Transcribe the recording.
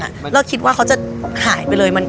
ภายใดมันก็เพิ่งคิดว่าเขาจะหายไปเลย